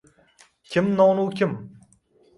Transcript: Kim nonu kim